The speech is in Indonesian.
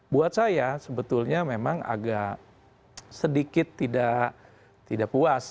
buat saya sebetulnya memang agak sedikit tidak puas